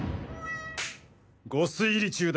御推理中だ。